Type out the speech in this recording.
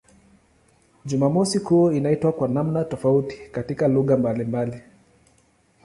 Jumamosi kuu inaitwa kwa namna tofauti katika lugha mbalimbali.